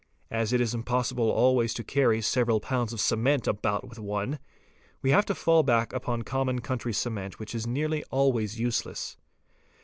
As it is impossible always to carry several pounds of cement H about with one, we have to fall back upon common country cement | which is nearly always useless.